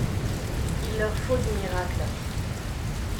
Il leur faut du miracle.